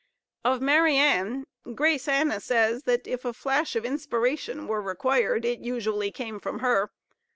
Of Mariann, Grace Anna says, that if a flash of inspiration was required, it usually came from her.